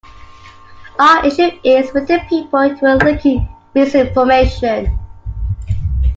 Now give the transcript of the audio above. Our issue is with the people who were leaking misinformation.